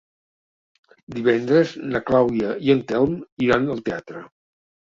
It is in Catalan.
Divendres na Clàudia i en Telm iran al teatre.